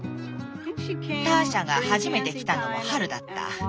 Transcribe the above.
ターシャが初めて来たのも春だった。